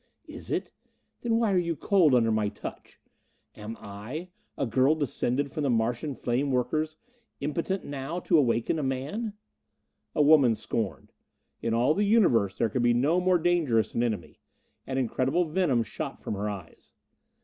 "Is it? Then why are you cold under my touch? Am I a girl descended from the Martian flame workers impotent now to awaken a man?" A woman scorned! In all the Universe there could be no more dangerous an enemy. An incredible venom shot from her eyes.